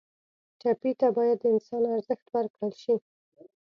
ټپي ته باید د انسان ارزښت ورکړل شي.